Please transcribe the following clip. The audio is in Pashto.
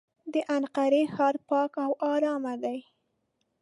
د انقرې ښار پاک او ارام دی.